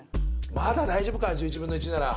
まだ大丈夫か１１分の１なら。